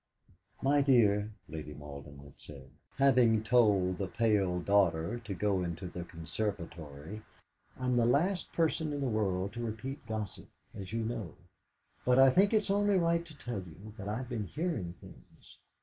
"My dear," Lady Malden had said, having told the pale daughter to go into the conservatory, "I'm the last person in the world to repeat gossip, as you know; but I think it's only right to tell you that I've been hearing things.